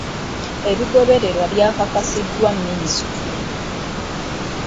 Ebigobererwa byakakasiddwa minisitule.